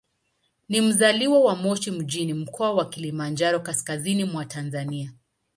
Ni mzaliwa wa Moshi mjini, Mkoa wa Kilimanjaro, kaskazini mwa Tanzania.